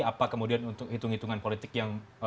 apa kemudian untuk hitung hitungan politik yang